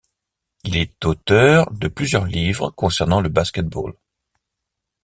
Il est auteur de plusieurs livres concernant le basket-ball.